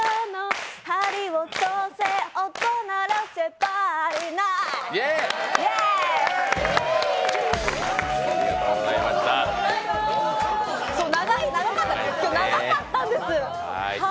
はい、長かったんです。